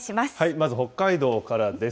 まず、北海道からです。